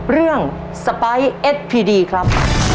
เรื่องสไปซ์เอสพีดีครับ